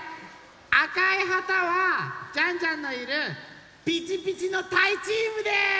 あかいはたはジャンジャンのいるピチピチの「たいチーム」です！